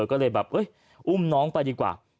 ก็เลยแบบอุ้มน้องไปดีกว่า